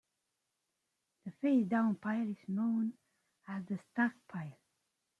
The face down pile is known as the "stock pile".